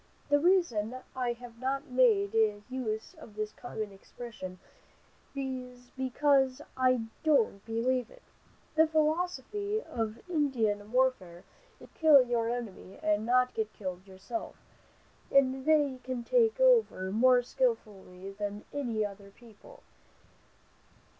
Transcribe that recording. The reason I have not made use of this common expression is, because I don't believe it. The philosophy of Indian warfare is, to kill your enemy and not get killed yourself, and they can take cover more skillfully than any other people.